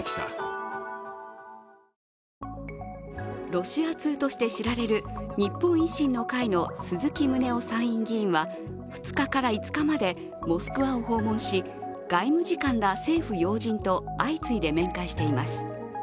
ロシア通として知られる日本維新の会の鈴木宗男参院議員は２日から５日までモスクワを訪問し、外務次官ら政府要人と相次いで面会しています